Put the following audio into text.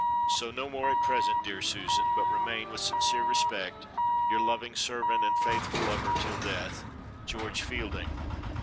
So no more at present, dear Susan, but remain, with sincere respect, your loving servant and faithful lover till death, GEORGE FIELDING."